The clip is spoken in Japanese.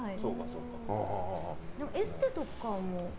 エステとかも？